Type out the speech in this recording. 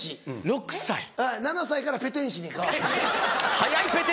７歳からペテンシに変わって。